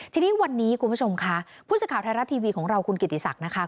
ทีนี้วันนี้คุณผู้ชมค่ะผู้สื่อข่าวไทยรัฐทีวีของเราคุณกิติศักดิ์นะคะ